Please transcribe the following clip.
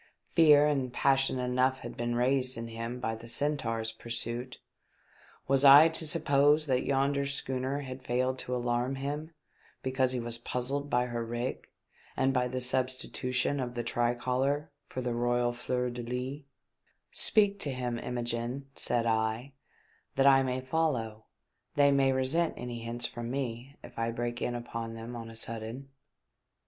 Fear and passion enough had been raised in him by the Centaur's pur suit ; was I to suppose that yonder schooner had failed to alarm him because he was puzzled by her rig and by the substitution of the tricolour for the xoysiX fleur de lys ? "Speak to him, Imogene," said I, "that I may follow. They may resent any hints from me if I break in upon them on a sudden."